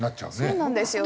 そうなんですよね。